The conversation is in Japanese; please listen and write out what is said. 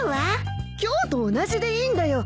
今日と同じでいいんだよ。